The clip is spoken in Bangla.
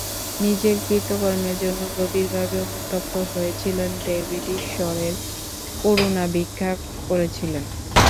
নিজের কৃতকর্মের জন্য গভীরভাবে অনুতপ্ত হয়েছিলেন ডেভিড, ঈশ্বরের করুণা ভিক্ষা করেছিলেন।